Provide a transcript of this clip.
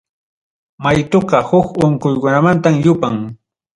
Maytuqa huk unquykunamantam yupan.